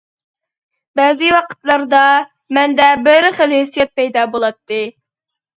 بەزى ۋاقىتلاردا، مەندە بىر خىل ھېسسىيات پەيدا بولاتتى.